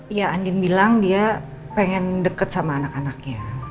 iya andin bilang dia pengen deket sama anak anaknya